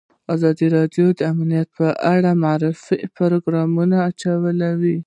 ازادي راډیو د امنیت په اړه د معارفې پروګرامونه چلولي.